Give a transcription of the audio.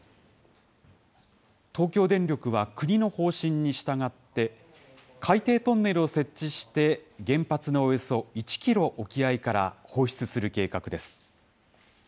東京電力は、国の方針に従って、海底トンネルを設置して原発のおよそ１キロ沖合から放出する計画です。